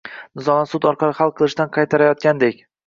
nizolarni sud orqali hal qilishdan qaytarayotgandek.